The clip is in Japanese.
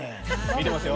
見てますよ！